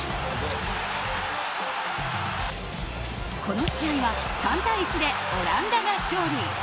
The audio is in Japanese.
この試合は３対１でオランダが勝利。